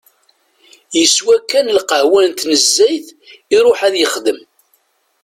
Yeswa kan lqahwa-s n tnezzayt iruḥ ad yexdem.